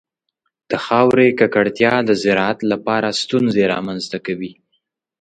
د خاورې ککړتیا د زراعت لپاره ستونزې رامنځته کوي.